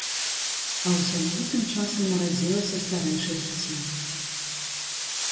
А ў сям'і тым часам нарадзілася старэйшае дзіця.